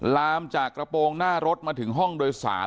ลามจากกระโปรงหน้ารถมาถึงห้องโดยสาร